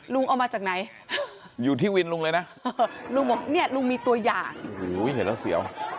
ลุงเอามาจากไหนอยู่ที่วินลุงเลยนะลุงบอกเนี่ยลุงมีตัวอย่างเห็นแล้วเสียว